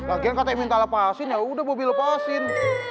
akhirnya kata yang minta lepasin ya udah bobi lepasin